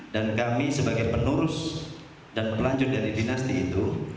dan kami sebagai penurus dan pelanjut dari dinasti itu